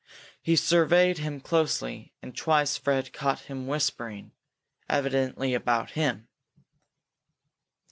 He surveyed him closely and twice Fred caught him whispering, evidently about him.